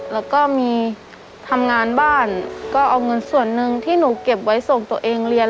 แล้วก็มีทำงานบ้านก็เอาเงินส่วนหนึ่งที่หนูเก็บไว้ส่งตัวเองเรียน